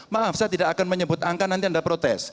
maaf saya tidak akan menyebut angka nanti anda protes